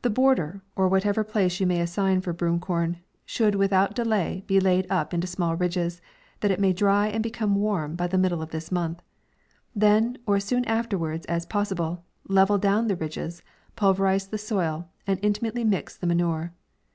The border, or whatever place you may assign for broom corn, should without delay be laid up into small ridges, that it may dry and become warm by the middle of this month ; then, or as soon afterwards as possible, level down the ridges, pulverize the soil, and inti mately mix the manure.